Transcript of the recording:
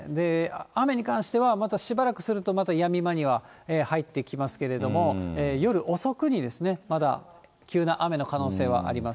雨に関してはまたしばらくするとまたやみ間には入ってきますけれども、夜遅くにまだ急な雨の可能性はあります。